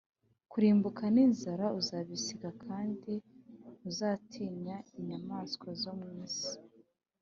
Kurimbuka n’inzara uzabiseka, Kandi ntuzatinya inyamaswa zo mu isi.